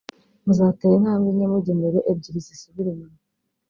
muzatera intambwe imwe mujya imbere ebyiri zisubire inyuma